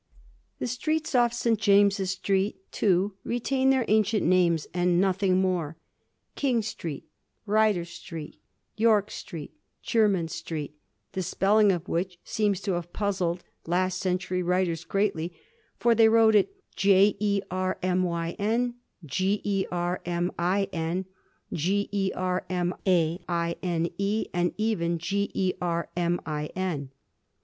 The streets ofl^ St. James's Street, too, retain their ancient names, and nothing more — King Street, Rydor Street, York Street, Jermyn Street, the spelling of which seems to have puzzled last century writers greatly, for they wrote it * Jermyn,' 'Germain,' 'Ger maine,' and even *Germin.'